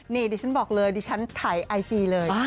นี่ดิฉันบอกเลยดิฉันถ่ายไอจีเลย